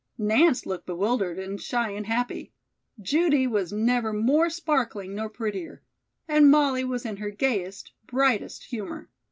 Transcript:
Nance looked bewildered and shy and happy; Judy was never more sparkling nor prettier, and Molly was in her gayest, brightest humor.